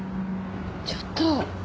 ちょっと。